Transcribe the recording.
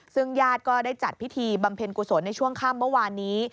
ซึ่งญาติก็ได้จัดพิธีบำเพ็ญกุศลในช่วงค่ำเมื่อวานนี้